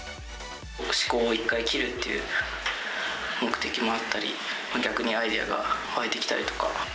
思考を一回切るっていう目的もあったり、逆にアイデアが湧いてきたりとか。